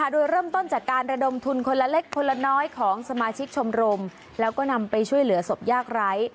โดยเริ่มต้นจากการระดมทุนคนละเล็กคนละน้อยของสมาชิกชมรมแล้วก็นำไปช่วยเหลือศพยากไร้